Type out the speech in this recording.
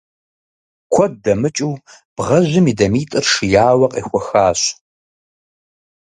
Куэд дэмыкӀыу бгъэжьым и дамитӀыр шияуэ къехуэхащ.